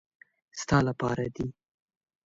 ستا له پاره دي .